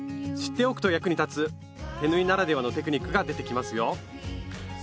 知っておくと役に立つ手縫いならではのテクニックが出てきますよ！